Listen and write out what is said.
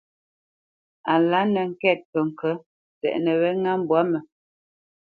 A lǎ nə̄ ŋkɛ̂t ŋkəŋkə̌t, tsɛʼnə wɛ́ ŋá mbwǎ mə.